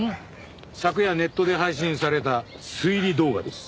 昨夜ネットで配信された推理動画です。